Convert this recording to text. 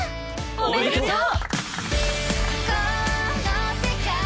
おめでとう！